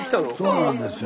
そうなんですよ。